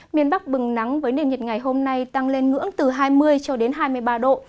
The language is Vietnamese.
miền bắc bừng nắng với nền nhiệt ngày hôm nay tăng lên ngưỡng từ hai mươi cho đến hai mươi ba độ